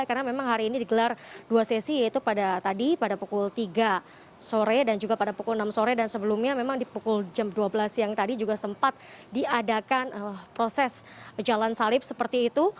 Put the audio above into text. karena memang hari ini digelar dua sesi yaitu pada tadi pada pukul tiga sore dan juga pada pukul enam sore dan sebelumnya memang di pukul jam dua belas siang tadi juga sempat diadakan proses jalan salib seperti itu